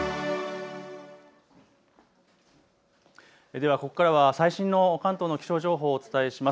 ではここからは最新の関東の気象情報をお伝えします。